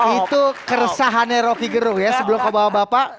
itu keresahannya rocky gerung ya sebelum kau bawa bapak